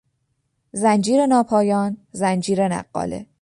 زنجیر ناپایان، زنجیر نقاله